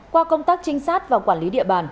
qua công tác trinh sát và quản lý địa bàn